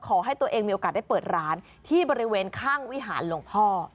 ขอให้ตัวเองมีโอกาสได้เปิดร้านที่บริเวณข้างวิหารหลวงพ่อ